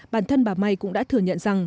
bản thân bà may cũng đã thừa nhận rằng